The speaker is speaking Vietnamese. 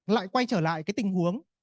lại quay trở lại cái tình huống